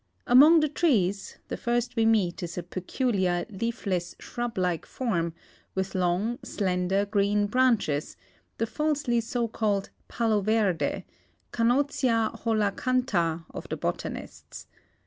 Among the trees, the first we meet is a peculiar, leafless, shrub like form, with long, slender, green branches, the falsely so calle<l paloverde, Cunotla holacantha of the botanists.